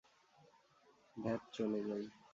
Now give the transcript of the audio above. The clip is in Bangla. ধ্যাত, চল যাই।